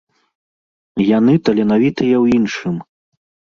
Яны таленавітыя ў іншым.